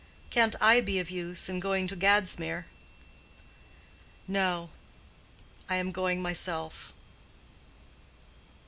Can't I be of use in going to Gadsmere?" "No. I am going myself."